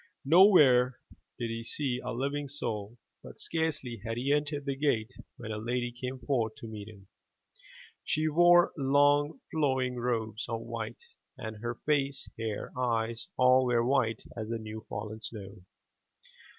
Nowhere did he see a living soul, but scarcely had he entered the gate, when a lady came forth to meet him. She wore long, flowing robes of white and her face, hair, eyes, all were white as the new fallen snow.